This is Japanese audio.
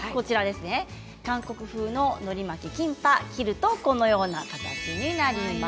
韓国風のり巻き、キンパを切るとこのような形になります。